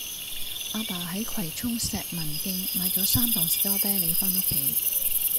亞爸喺葵涌石文徑買左三磅士多啤梨返屋企